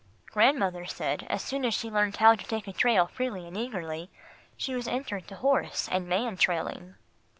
"Grandmother said as soon as she learned how to take a trail freely and eagerly, she was entered to horse and man trailing."